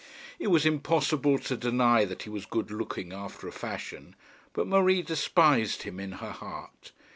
It was impossible to deny that he was good looking after a fashion; but Marie despised him in her heart.